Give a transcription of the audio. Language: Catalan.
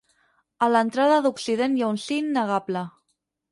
A l'entrada d'Occident hi ha un sí innegable.